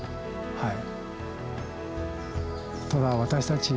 はい。